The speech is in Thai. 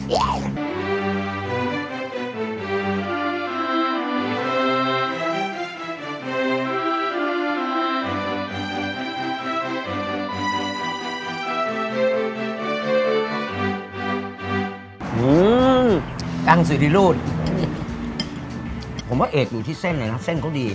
อืมกังสิริโรธผมว่าเอกอยู่ที่เส้นเลยนะเส้นเขาดี